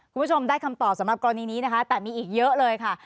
คุณผู้ชมได้คำตอบสำหรับกรณีนี้นะคะแต่มีอีกเยอะเลยค่ะ